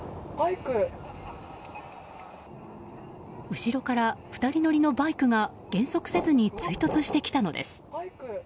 後ろから２人乗りのバイクが減速せずに追突してきたのです。